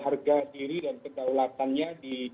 harga diri dan kedaulatannya di